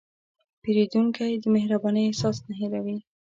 پیرودونکی د مهربانۍ احساس نه هېروي.